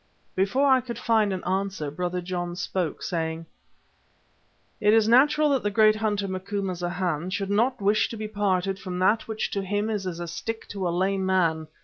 Before I could find an answer Brother John spoke, saying: "It is natural that the great hunter, Macumazana, should not wish to be parted from what which to him is as a stick to a lame man.